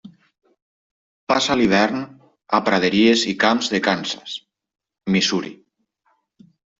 Passa l'hivern a praderies i camps de Kansas, Missouri.